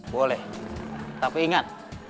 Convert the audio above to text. boleh tapi ingat